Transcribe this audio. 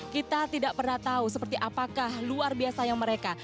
kita tidak pernah tahu seperti apakah luar biasanya mereka